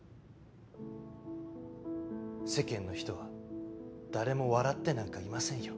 世間の人は誰も笑ってなんかいませんよ。